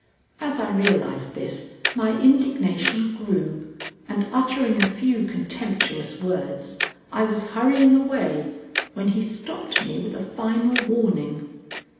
As I realized this, my indignation grew, and, uttering a few contemptuous words, I was hurrying away when he stopped me with a final warning.